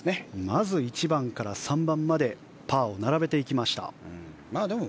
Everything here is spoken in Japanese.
まず１番から３番までパーを並べました中島。